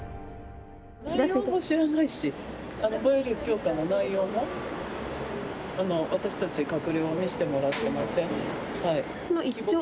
内容も知らないし、防衛力強化の内容も、私たち閣僚は見せてもらってません。